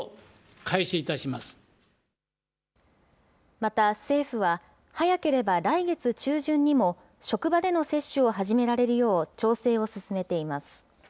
また政府は、早ければ来月中旬にも、職場での接種を始められるよう、調整を進めています。